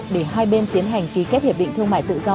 để hai bên tiến hành ký kết hiệp định thương mại tự do